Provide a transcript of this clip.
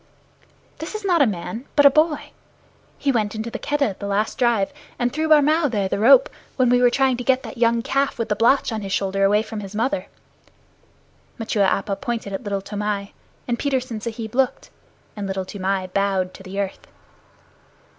"This is not a man, but a boy. He went into the Keddah at the last drive, and threw Barmao there the rope, when we were trying to get that young calf with the blotch on his shoulder away from his mother." Machua Appa pointed at Little Toomai, and Petersen Sahib looked, and Little Toomai bowed to the earth.